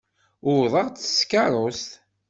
Uwḍeɣ-d s tkeṛṛust.